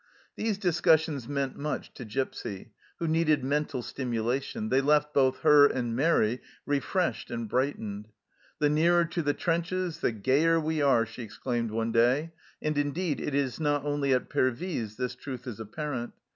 These discus sions meant much to Gipsy, who needed mental stimulation ; they left both her and Mairi refreshed and brightened. " The nearer to the trenches, the gayer we are !" she exclaimed one day, and indeed, it is not only at Pervyse this truth is apparent.